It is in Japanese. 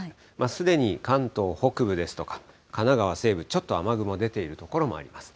すでに関東北部ですとか、神奈川西部、ちょっと雨雲、出ている所もあります。